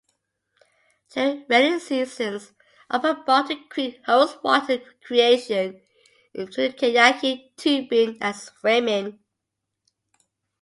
During rainy seasons, upper Barton Creek hosts water recreation including kayaking, tubing, and swimming.